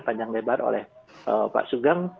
panjang lebar oleh pak sugeng